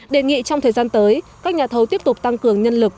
đề nghị trong thời gian tới các nhà thầu tiếp tục tăng cường nhân lực